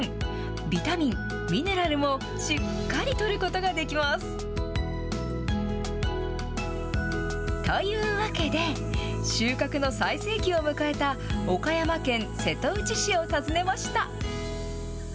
ビタミン、ミネラルもしっかりとることができます。というわけで、収穫の最盛期を迎えた、岡山県瀬戸内市を訪ねました。